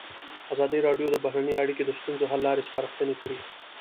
ازادي راډیو د بهرنۍ اړیکې د ستونزو حل لارې سپارښتنې کړي.